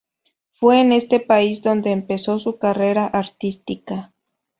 Fue en este país donde empezó su carrera artística.